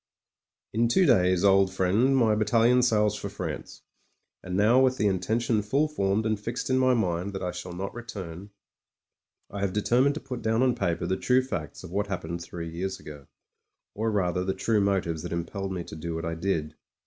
••••••• In two days, old friend, my battalion sails for France; and, now with the intention full formed and fixed in my mind, that I shall not return, I have de* termined to put down on paper the true facts of what happened three years ago : or rather, the true motives that impelled me to do what I did.